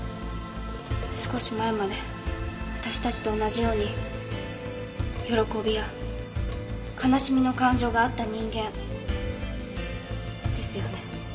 少し前まで私達と同じように喜びや悲しみの感情があった人間。ですよね？